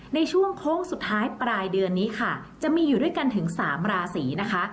ในช่วงโค้งสุดท้ายปลายเดือนนี้ค่ะจะมีอยู่ด้วยกันถึง๓ราศีนะคะ